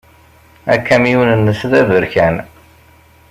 Akamyun-nnes d aberkan.